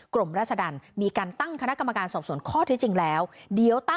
กรมราชดันมีการตั้งคณะกรรมการสอบสนข้อที่จริงแล้ว